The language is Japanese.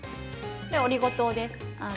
◆オリゴ糖です。